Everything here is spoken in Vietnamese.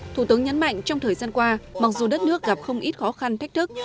thủ tướng nhấn mạnh trong thời gian qua mặc dù đất nước gặp không ít khó khăn thách thức